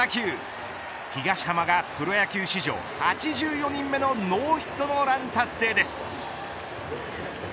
東浜がプロ野球史上８４人目のノーヒットノーラン達成です。